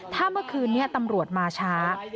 ถ้าเมื่อคืนนี้ตำรวจมาช้า